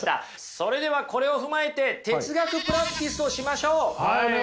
それではこれを踏まえて哲学プラクティスをしましょう！